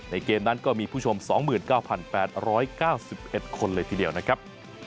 เกมนั้นก็มีผู้ชม๒๙๘๙๑คนเลยทีเดียวนะครับ